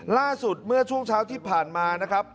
ล่าสุดเมื่อช่วงเช้าที่ผ่านมานะครับ